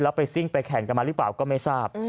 แล้วไปซิ่งไปแข่งกันมาหรือเปล่าก็ไม่ทราบ